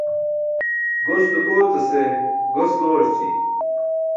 Gos dukoocase gos goorći.